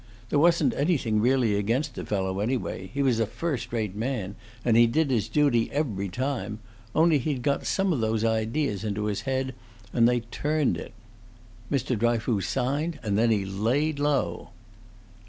There wasn't anything really against the fellow, anyway; he was a first rate man, and he did his duty every time; only he'd got some of those ideas into his head, and they turned it. Mr. Dryfoos signed, and then he laid low."